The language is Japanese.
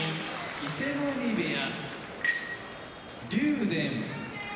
伊勢ノ海部屋竜電